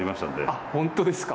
あっ本当ですか。